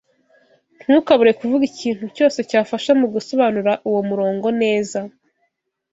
Ntukabure kuvuga ikintu cyose cyafasha mu gusobanura uwo murongo neza.